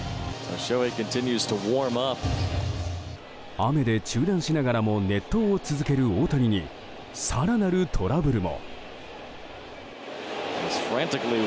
雨で中断しながらも熱投を続ける大谷に更なるトラブルも。